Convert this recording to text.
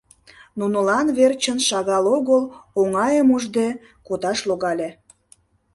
Нунылан верчын шагал огыл оҥайым ужде кодаш логале.